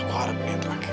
aku harap ini yang terakhir